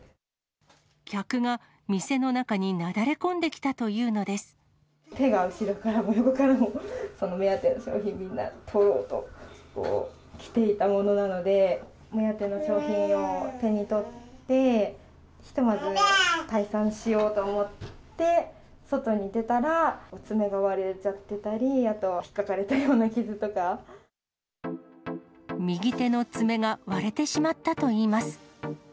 客が店の中になだれ込んでき手が後ろからも横からも、目当ての商品、みんな取ろうと来ていたものなので、目当ての商品を手に取って、ひとまず退散しようと思って、外に出たら、爪が割れちゃってたり、あと、右手の爪が割れてしまったといいます。